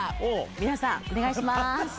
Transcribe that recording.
皆さん、お願いします。